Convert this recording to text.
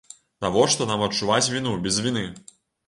Навошта нам адчуваць віну без віны?